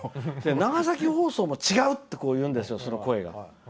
長崎放送も違うって聞こえるんですよ、声が。